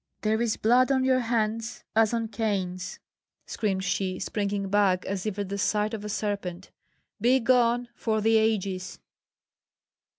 "There is blood on your hands, as on Cain's!" screamed she, springing back as if at the sight of a serpent. "Be gone, for the ages!"